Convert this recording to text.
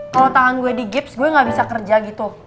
kalau tangan gue di gips gue gak bisa kerja gitu